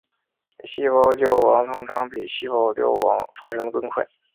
细胞焦亡通常比细胞凋亡发生的更快。